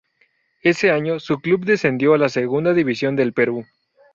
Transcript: Ese año, su club descendió a la Segunda División del Perú.